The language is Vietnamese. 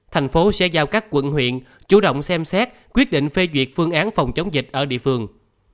thành phố sẽ giao các quận huyện chủ động xem xét quyết định phê duyệt phương án phòng chống dịch ở địa phương